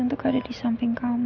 untuk ada disamping kamu